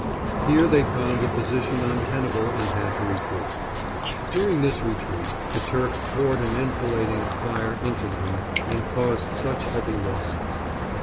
Here they found the position untenable and had to retreat. During this retreat the Turks poured an enfilading fire into them and caused such heavy losses.